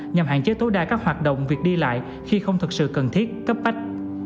nhằm hạn chế tối đa các hoạt động việc đi lại khi không thực sự cần thiết cấp bách